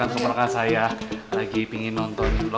ini tuh keperlangan saya lagi pingin nonton